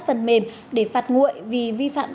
phần mềm để phạt nguội vì vi phạm